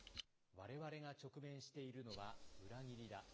われわれが直面しているのは裏切りだ。